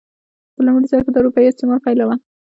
په لومړي سر کې د اروپايي استعمار پایله وه.